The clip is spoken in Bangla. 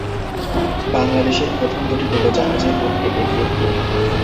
বাংলাদেশের প্রথম দুটি ডুবোজাহাজের মধ্যে এটি একটি।